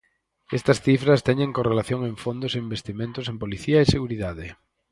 Estas cifras teñen correlación en fondos e investimentos en policía e 'seguridade'.